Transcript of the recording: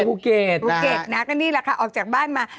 ภูเกสนะนี้แหละค่ะออกจากบ้านมา